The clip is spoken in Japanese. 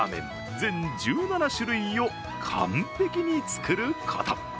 全１７種類を完璧に作ること。